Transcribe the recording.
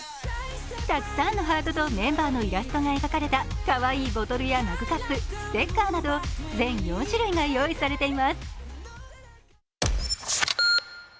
たくさんのハートとメンバーのイラストが描かれたかわいいボトルやマグカップ、ステッカーなど、全部４種類が用意されています。